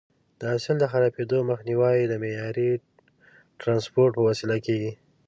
د حاصل د خرابېدو مخنیوی د معیاري ټرانسپورټ په وسیله کېږي.